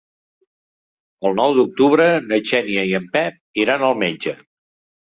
El nou d'octubre na Xènia i en Pep iran al metge.